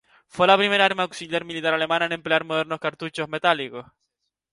Fue la primera arma auxiliar militar alemana en emplear modernos cartuchos metálicos.